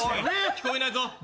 聞こえないぞ。